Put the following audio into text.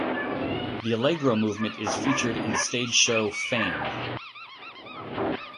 The "Allegro" movement is featured in the stage show "Fame".